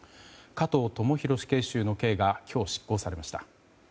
加藤智大死刑囚の刑が今日、執行されました。